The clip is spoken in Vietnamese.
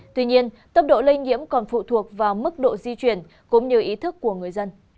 tuy nhiên tốc độ lây nhiễm còn phụ thuộc vào mức độ di chuyển cũng như ý thức của người dân